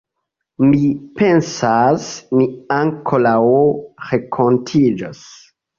Mi pensas, ni ankoraŭ renkontiĝos.